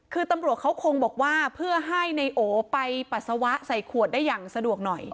คือตำรวจเขาคงบอกว่าเพื่อให้นายโอไปปัสสาวะใส่ขวดได้อย่างสะดวกหน่อย